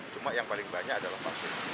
semua ada cuma yang paling banyak adalah pasir